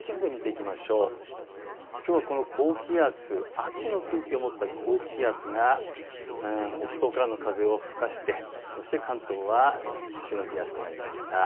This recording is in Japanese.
きょうはこの高気圧、秋の空気を持った高気圧が北東からの風を吹かせて関東はしのぎやすくなりました。